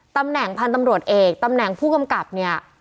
ตำแหน่งพันธุ์ตำรวจเอกตำแหน่งผู้กำกับเนี่ย